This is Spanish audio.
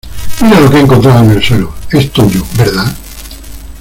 mira lo que he encontrado en el suelo. es tuyo, ¿ verdad?